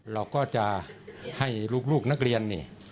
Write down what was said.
เราก็จะให้ลูกนักเรียนนี่